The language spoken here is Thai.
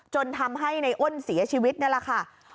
จนทำให้ในอ้นเสียชีวิตนั่นแหละค่ะ